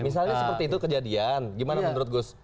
misalnya seperti itu kejadian gimana menurut gus